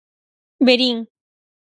Verín.